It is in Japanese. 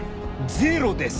ゼロです！